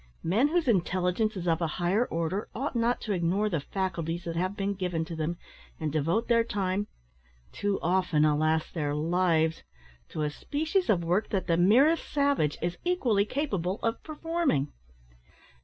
Men whose intelligence is of a higher order ought not to ignore the faculties that have been given to them, and devote their time too often, alas! their lives to a species of work that the merest savage is equally capable of performing.